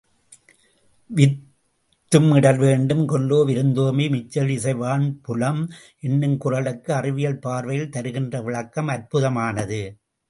வித்தும் இடல்வேண்டும் கொல்லோ விருந்தோம்பி மிச்சில் மிசைவான் புலம் என்னும் குறளுக்கு அறிவியல் பார்வையில் தருகின்ற விளக்கம் அற்புதமானது.